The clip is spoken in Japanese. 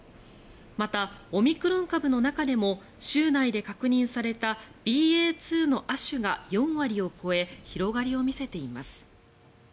また、オミクロン株の中でも州内で確認されたＢＡ．２の亜種が４割を超え広がりを見せています。